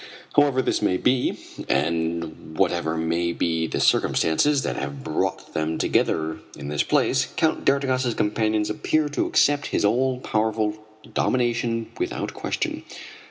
However this may be, and whatever may be the circumstances that have brought them together in this place, Count d'Artigas' companions appear to accept his all powerful domination without question.